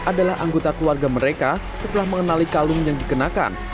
adalah anggota keluarga mereka setelah mengenali kalung yang dikenakan